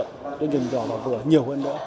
cho doanh nghiệp nhỏ và vừa nhiều hơn nữa